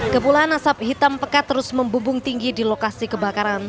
kepulan asap hitam pekat terus membumbung tinggi di lokasi kebakaran